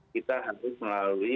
kita harus melalui